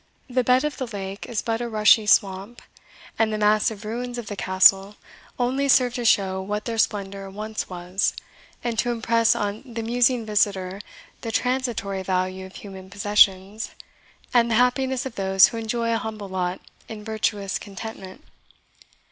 The bed of the lake is but a rushy swamp; and the massive ruins of the Castle only serve to show what their splendour once was, and to impress on the musing visitor the transitory value of human possessions, and the happiness of those who enjoy a humble lot in virtuous contentment.